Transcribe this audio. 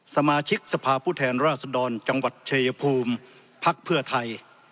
สมาชิกสภาพผู้แทนราชดรจังหวัดชายภูมิพักเพื่อไทย